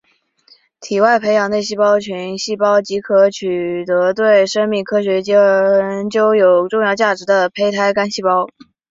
体外培养内细胞群细胞即可取得对生命科学研究有重要价值的胚胎干细胞